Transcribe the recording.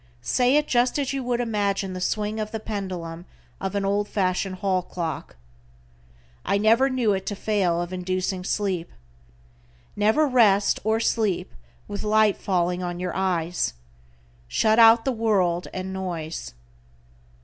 Say it just as you would imagine the swing of the pendulum of an old fashion hall clock. I never knew it to fail of inducing sleep. Never rest or sleep with light falling on your eyes. Shut out the world and noise.